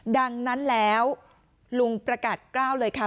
ดังนั้นแล้วลุงประกาศกล้าวเลยค่ะ